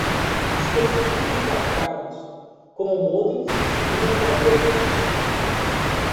dispositivos embarcados, como modens e roteadores